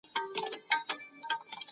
که ته رښتیا وایې نو ستا مننه به رښتیا سي.